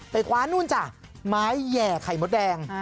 คว้านู่นจ้ะไม้แห่ไข่มดแดง